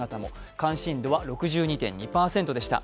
関心度は６２．２％でした。